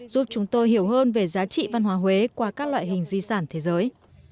giúp chúng tôi hiểu hơn về giá trị văn hóa huế qua các loại hình di sản thế giới